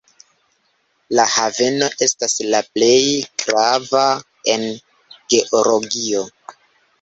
La haveno estas la plej grava en Georgio.